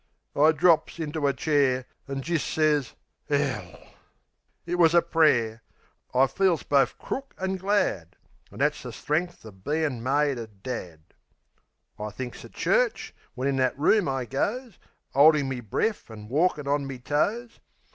I drops into a chair, an' jist sez "'Ell!" It was a pray'r. I feels bofe crook an' glad.... An' that's the strength of bein' made a dad. I thinks of church, when in that room I goes, 'Oldin' me breaf an' walkin' on me toes.